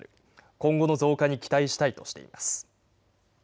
今後の増加に期待したいとしています。